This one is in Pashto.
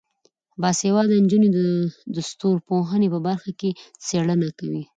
باسواده نجونې د ستورپوهنې په برخه کې څیړنه کوي.